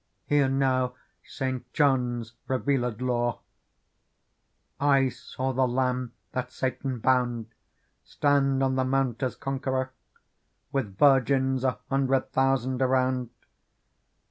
Hear now St. John's revealed lore : I saw the Lamb that Satan bound Stand on the Mount as conqueror. With virgins a hundred thousand around.